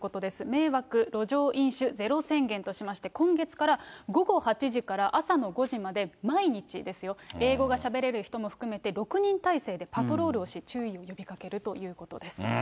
迷惑路上飲酒ゼロ宣言としまして、今月から午後８時から朝の５時まで、毎日ですよ、英語がしゃべれる人も含めて、６人態勢でパトロールをし、注意を呼びかけるということです。